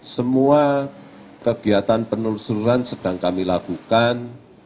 semua kegiatan penelusuran sedang kami lakukan